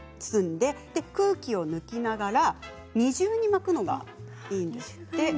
空気を抜きながら二重に巻くのがいいんですって。